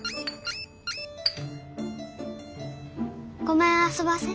ごめんあそばせ。